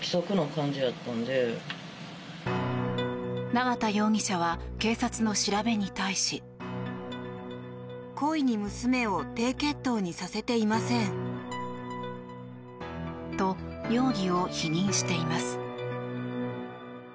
縄田容疑者は警察の調べに対し。と、容疑を否認しています。